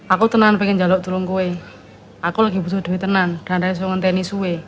aku tenang pengen jalan dulu ke w aku lagi butuh duit tenang dan ada yang suka nge tenis ke w